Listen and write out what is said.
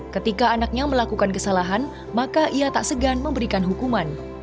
ketika anaknya melakukan kesalahan maka ia tak segan memberikan hukuman